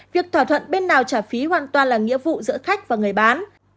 việc thỏa thuận bên nào trả phí hoàn toàn là nghĩa vụ giữa khách và người bán